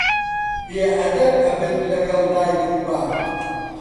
بێ ئەدەب ئەبن لەگەڵ دایک و باب